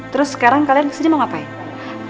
terus sekarang kalian saja mau ngapain